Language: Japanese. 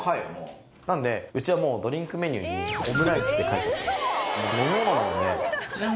うちはもうドリンクメニューに「オムライス」って書いてます。